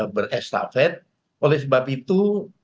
berestafet oleh sebab itu